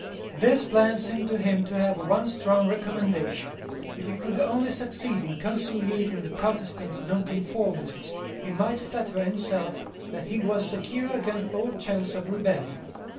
This plan seemed to him to have one strong recommendation. If he could only succeed in conciliating the Protestant Nonconformists he might flatter himself that he was secure against all chance of rebellion.